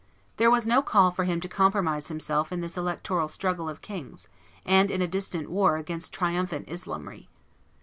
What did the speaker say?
There was no call for him to compromise himself in this electoral struggle of kings, and in a distant war against triumphant Islamry.